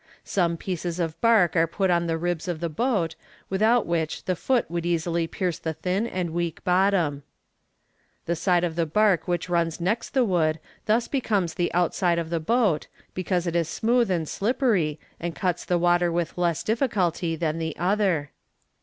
Some pieces of bark are put on the ribs of the boat, without which the foot would easily pierce the thin and weak bottom. The side of the bark which runs next the wood thus becomes the outside of the boat, because it is smooth and slippery, and cuts the water with less difficulty than the other.